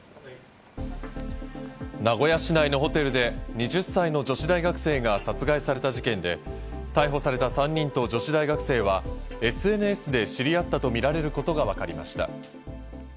名古屋市内のホテルで２０歳の女子学生が殺害された事件で、逮捕された３人と女子大学生はＳＮＳで知り合ったとみられることがわかりました。